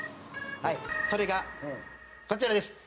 それがこちらです。